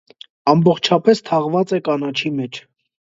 Ամբողջապէս թաղուած է կանաչի մէջ։